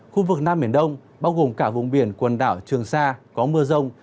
khu vực nam biển đông bao gồm cả vùng biển quần đảo trường sa có mưa rông